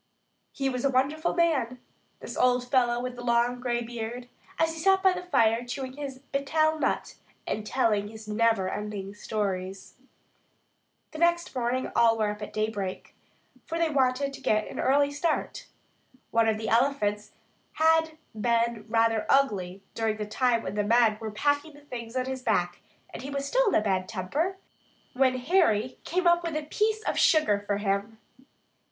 He was a wonderful man, this old fellow with the long gray beard, as he sat by the fire chewing his "betel" nut and telling his neverending stories. The next morning all were up at daybreak, for they wanted to get an early start. One of the elephants had been rather ugly during the time when the men were packing the things on his back, and he was still in a bad temper when Harry came up with a piece of sugar for him.